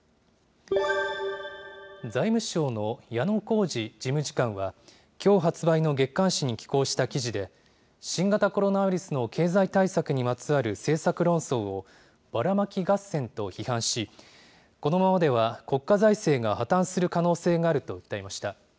財務省の矢野康治事務次官は、きょう発売の月刊誌に寄稿した記事で、新型コロナウイルスの経済対策にまつわる政策論争を、バラマキ合戦と批判し、このままでは国家財政が破綻する可能性があると訴えました。